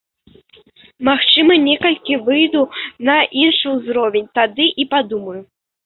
Магчыма, некалі выйду на іншы ўзровень, тады і падумаю.